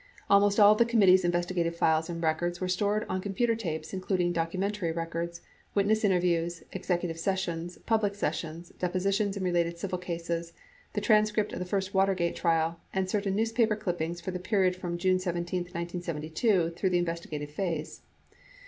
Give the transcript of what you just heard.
9 Almost all of the committee's investigative files and records were stored on computer tapes including documentary records, witness in terviews, executive sessions, public sessions, depositions in related civil cases, the transcript of the first Watergate trial, and certain newspaper clippings for the period from June 17, 1972, through the investigative phase.